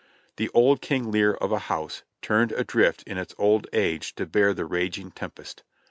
The old King Lear of a house, turned adrift in its old age to bear the raging tempest.